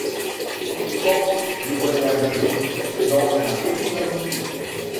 Et pourtant nous voyagions dans un pays magnifique.